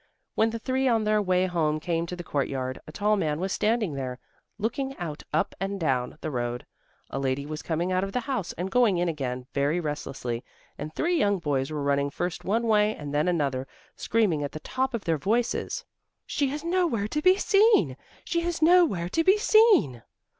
When the three on their way home came to the courtyard, a tall man was standing there, looking out up and down the road; a lady was coming out of the house and going in again very restlessly, and three young boys were running first one way and then another, screaming at the top of their voices: "She is nowhere to be seen! She is nowhere to be seen!"